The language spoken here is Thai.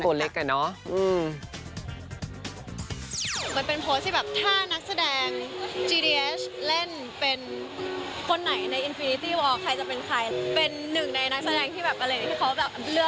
ก็เลยลงไปอ่านคอมเมนต์ดู